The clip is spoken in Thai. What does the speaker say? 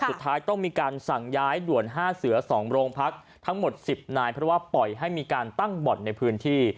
สุดท้ายต้องมีการสั่งย้ายด่วน๕เสือ๒โรงพักทั้งหมด๑๐นายเพราะว่าปล่อยให้มีการตั้งบ่อนในพื้นที่